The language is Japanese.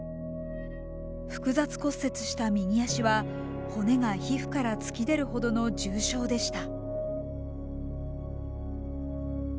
複雑骨折した右脚は骨が皮膚から突き出るほどの重傷でした。